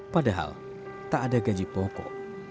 padahal tak ada gaji pokok